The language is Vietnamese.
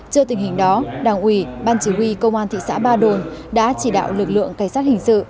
trước tình hình đó đảng ủy ban chỉ huy công an thị xã ba đồn đã chỉ đạo lực lượng cảnh sát hình sự